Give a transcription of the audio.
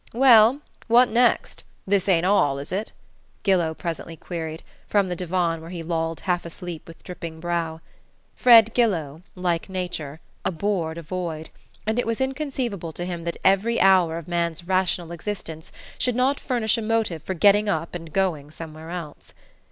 "Well, what next this ain't all, is it?" Gillow presently queried, from the divan where he lolled half asleep with dripping brow. Fred Gillow, like Nature, abhorred a void, and it was inconceivable to him that every hour of man's rational existence should not furnish a motive for getting up and going somewhere else.